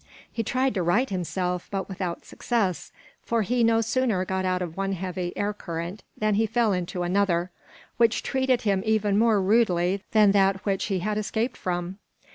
He tried to right himself, but without success, for he had no sooner got out of one heavy air current than he fell into another, which treated him even more rudely than that which he had escaped from.